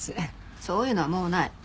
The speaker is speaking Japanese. そういうのはもうない。